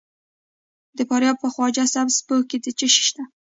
د فاریاب په خواجه سبز پوش کې څه شی شته؟